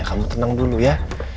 kamu tenang dulu ya